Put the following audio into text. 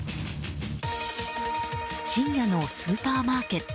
深夜のスーパーマーケット。